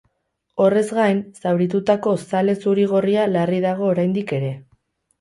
Horrez gain, zauritutako zale zuri-gorria larri dago oraindik ere.